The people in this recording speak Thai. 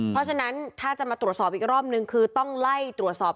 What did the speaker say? เพราะฉะนั้นถ้าจะมาตรวจสอบอีกรอบนึงคือต้องไล่ตรวจสอบ